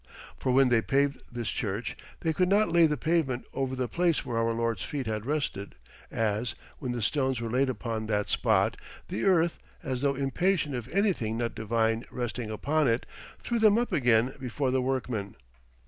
For when they paved this church they could not lay the pavement over the place where our Lord's feet had rested, as, when the stones were laid upon that spot, the earth, as though impatient of anything not divine resting upon it, threw them up again before the workmen.